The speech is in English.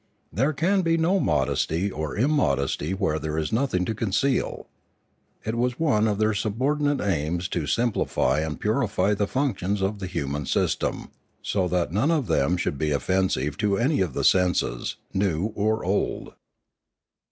There can be no modesty or immodesty where there is nothing to conceal. It was one of their subordinate aims to simplify and purify the functions of the human system, so that none of them should be offensive to any of the senses, new or old.